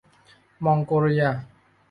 มองโกเลีย